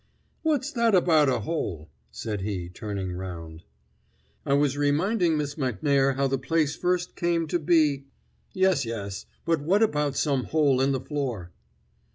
"What's that about a hole?" said he, turning round. "I was reminding Miss Macnair how the place first came to be " "Yes, yes. But what about some hole in the floor?"